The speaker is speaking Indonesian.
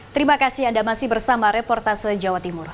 terima kasih anda masih bersama reportase jawa timur